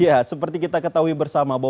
iya seperti kita ketahui bersama